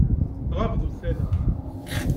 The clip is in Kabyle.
Tɣabeḍ ussan-a.